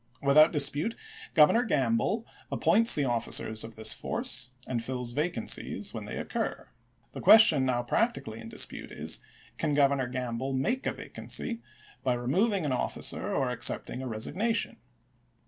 Without dispute, Governor Gamble appoints the officers of this force, and fiUs vacancies when they occur. The question now prac VOL. VI.— 25 386 ABKAHAM LINCOLN ch. XVIII. tically in dispute is : Can Governor Gamble make a vacancy by removing an officer or accepting a resigna tion